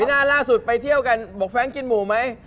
หน้าล่าสุดไปเที่ยวกันบอกแร้งกินหมูไหม